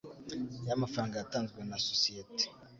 yamafaranga yatanzwe na sosiyete